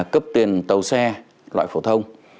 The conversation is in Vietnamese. cấp tiền tàu xe loại phổ thông